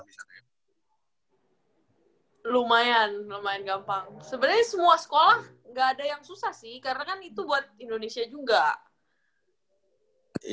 misalnya lumayan lumayan gampang sebenarnya semua sekolah enggak ada yang susah sih karena kan itu buat indonesia juga